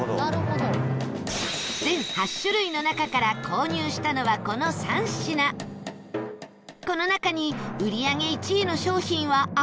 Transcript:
全８種類の中から購入したのはこの３品この中に売り上げ１位の商品はあるんでしょうか？